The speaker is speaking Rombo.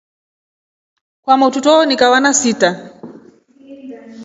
Kwamotru twawonika vana sita.